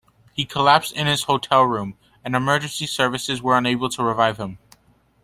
He collapsed in his hotel room, and emergency services were unable to revive him.